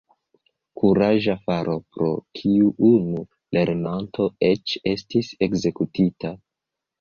Kuraĝa faro, pro kiu unu lernanto eĉ estis ekzekutita.